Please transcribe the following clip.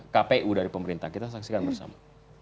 kpu dari pemerintah kita saksikan bersama